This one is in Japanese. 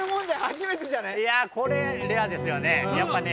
いやこれレアですよね